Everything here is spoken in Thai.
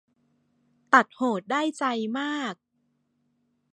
ตัดโหดได้ใจมาก